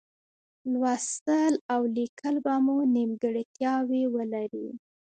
لوستل او لیکل به مو نیمګړتیاوې ولري.